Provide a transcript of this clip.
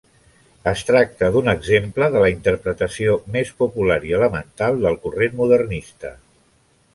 Es tracta d’un exemple de la interpretació més popular i elemental del corrent modernista.